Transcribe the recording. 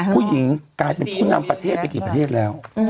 กลายเป็นผู้นำประเทศไปกี่ประเทศแล้ว